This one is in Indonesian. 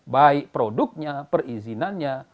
baik produknya perizinannya